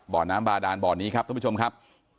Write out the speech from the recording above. บ่อน้ำบาดานบ่อนี้ครับท่านผู้ชมครับ